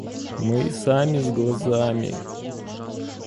– Мы и сами с глазами.